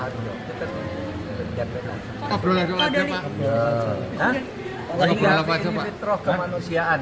kalau ingat ini fitroh kemanusiaan